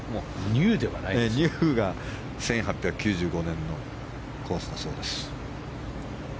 ニューが１８９５年のコースだそうです。